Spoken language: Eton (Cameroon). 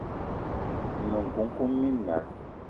One nkoukouma minal